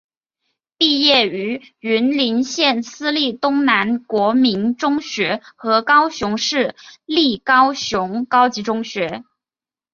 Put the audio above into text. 毕业于云林县私立东南国民中学和高雄市立高雄高级中学。